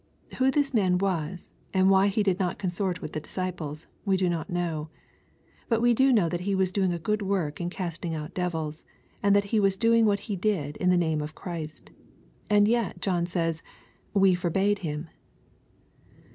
Who this man was, and why he did not consort with the disciples, we do not know. But we do know that he was doing a good work in casting out devils, and that he was doing what he did in the name of Christ. And yet John says, " we forbade him."